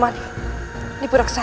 jadi leher kita